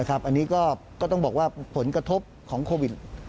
อันนี้ก็ต้องบอกว่าผลกระทบของโควิด